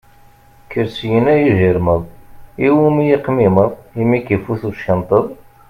Kker syin a yijiṛmeḍ, iwumi aqmimmeḍ, imi k-ifut uckenṭeḍ?